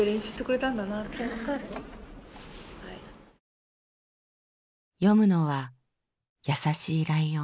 ああ読むのは「やさしいライオン」。